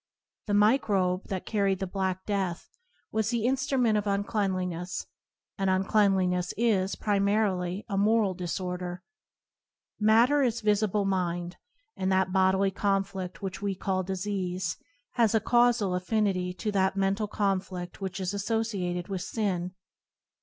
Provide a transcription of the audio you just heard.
The microbe that carried the Q0an: ftmgofe^inD black death was the instrument of unclean liness, and uncleanliness is, primarily, a moral disorder. Matter is visible mind, and that bodily conflict which we call disease has a causal affinity to that mental confli&which is associated with sin.